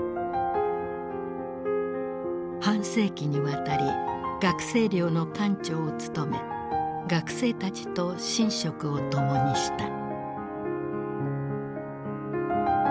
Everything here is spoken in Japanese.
半世紀にわたり学生寮の館長を務め学生たちと寝食を共にした。